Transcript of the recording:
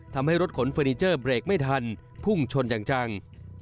ทำให้รถขนเฟอร์นิเจอร์เบรกไม่ทันพุ่งชนอย่างจัง